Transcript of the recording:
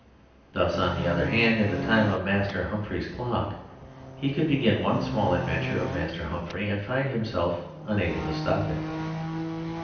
Thus, on the other hand, in the time of Master Humphrey's Clock, he could begin one small adventure of Master Humphrey and find himself unable to stop it.